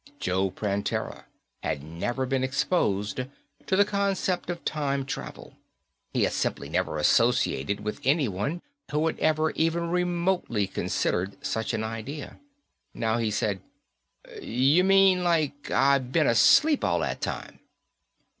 Joe Prantera had never been exposed to the concept of time travel. He had simply never associated with anyone who had ever even remotely considered such an idea. Now he said, "You mean, like, I been asleep all that time?"